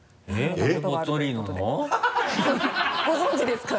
ご存じですか？